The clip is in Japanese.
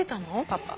パパ。